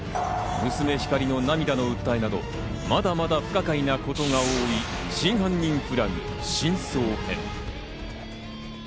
娘・光莉の涙の訴えなど、まだまだ不可解なことが多い『真犯人フラグ真相編』。